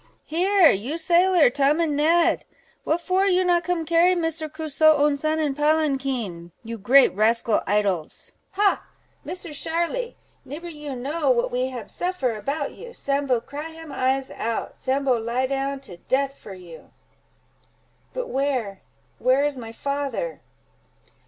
Here, you sailor Tom, and Ned, what for you not come carry Misser Crusoe own son in palanquin—you great rascal idles? Ha! Misser Sharly, nibber you know what we hab suffer about you. Sambo cry him eyes out—Sambo lie down to death for you!" "But where—where is my father!"